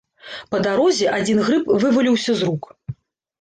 Па дарозе адзін грыб вываліўся з рук.